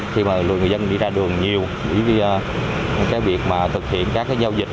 khi mà người dân đi ra đường nhiều với cái việc mà thực hiện các cái giao dịch